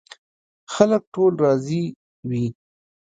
خلک ټول راضي وي.